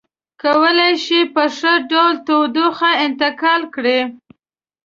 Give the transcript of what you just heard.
کولی شي په ښه ډول تودوخه انتقال کړي.